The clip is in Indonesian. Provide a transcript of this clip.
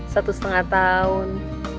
satu setengah tahun